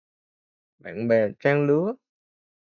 Bạn bè trang lứa